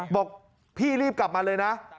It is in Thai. บอกพี่รีบกลับมาเลยนะ